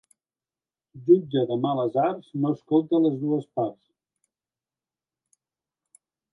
Jutge de males arts no escolta les dues parts.